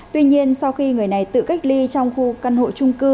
tuy nhiên sau khi người này tự cách ly trong khu căn hộ trung cư